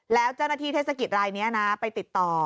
แล้วเจ้าหน้าที่เทศกิจรายนี้นะไปติดต่อ